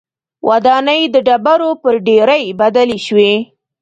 ودانۍ د ډبرو پر ډېرۍ بدلې شوې.